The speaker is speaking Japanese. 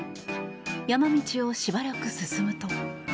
山道をしばらく進むと。